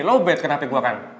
lo bet kena handphone gue kan